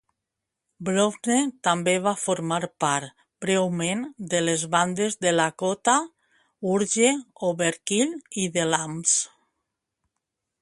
Browne també va formar part, breument, de les bandes Delakota, Urge Overkill i The Lams.